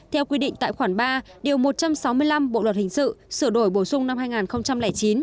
theo quy định tại khoản ba điều một trăm sáu mươi năm bộ luật hình sự sửa đổi bổ sung năm hai nghìn chín